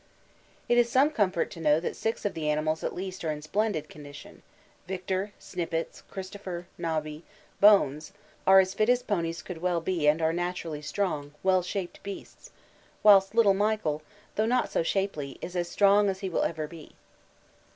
It is some comfort to know that six of the animals at least are in splendid condition Victor, Snippets, Christopher, Nobby, Bones are as fit as ponies could well be and are naturally strong, well shaped beasts, whilst little Michael, though not so shapely, is as strong as he will ever be.